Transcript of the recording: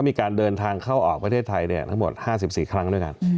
มีการเดินทางเข้าออกประเทศไทยทั้งหมด๕๔ครั้งด้วยกัน